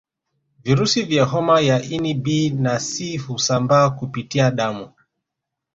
Virusi vya homa ya ini B na C husambaa kupitia damu